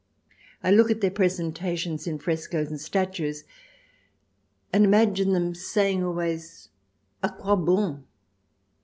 I look at their presentations in frescoes and statues, and imagine them saying always, " A quoi bon